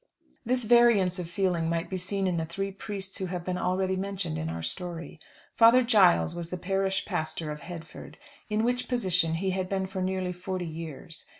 This variance of feeling might be seen in the three priests who have been already mentioned in our story. Father Giles was the parish pastor of Headford, in which position he had been for nearly forty years.